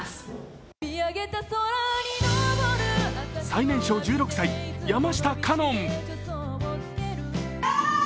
最年少１６歳、山下花音。